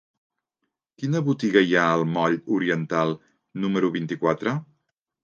Quina botiga hi ha al moll Oriental número vint-i-quatre?